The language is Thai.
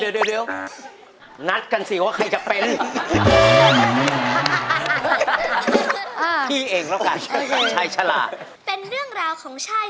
เดี๋ยวนัดกันสิว่าใครจะเป็น